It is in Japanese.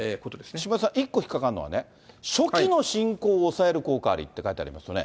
下山さん、１個引っ掛かるのはね、初期の進行を抑える効果ありって書いてありますよね。